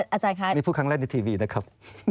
อาจารย์คะนี่พูดครั้งแรกในทีวีนะครับ